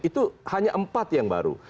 itu hanya empat yang baru